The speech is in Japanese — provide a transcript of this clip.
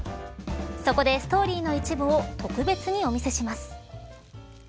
そこで、ストーリーの一部を特別にお見せします。